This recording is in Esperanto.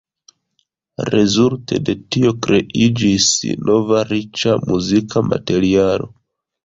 Rezulte de tio kreiĝis nova riĉa muzika materialo.